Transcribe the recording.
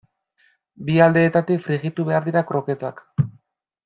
Bi aldeetatik frijitu behar dira kroketak.